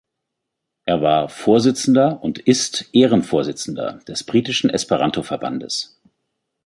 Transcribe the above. Er war Vorsitzender und ist Ehrenvorsitzender des britischen Esperanto-Verbandes.